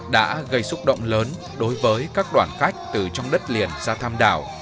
đã gây xúc động lớn đối với các đoàn khách từ trong đất liền ra tham đảo